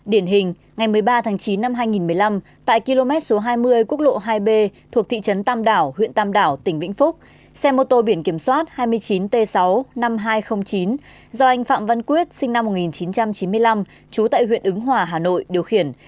điển hình ngày một mươi ba tháng chín năm hai nghìn một mươi năm tại km số hai mươi quốc lộ hai b thuộc thị trấn tam đảo huyện tam đảo tỉnh vĩnh phúc xe mô tô biển kiểm soát hai mươi chín t sáu mươi năm nghìn hai trăm linh chín do anh phạm văn quyết sinh năm một nghìn chín trăm chín mươi năm trú tại huyện ứng hòa hà nội điều khiển